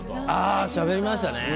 あしゃべりましたね。